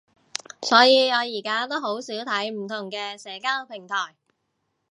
所以我而家都好少睇唔同嘅社交平台